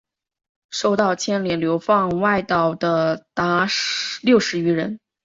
受到牵连流放外岛的达六十余人。